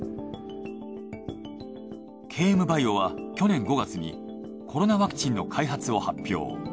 ＫＭバイオは去年５月にコロナワクチンの開発を発表。